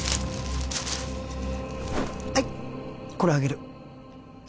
はいこれあげる何